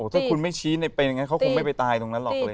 ถ้าคุณไม่ชี้ในเปลมันไม่ตายตรงนั้นหรอก